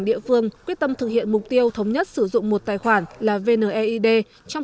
địa phương quyết tâm thực hiện mục tiêu thống nhất sử dụng một tài khoản là vne id trong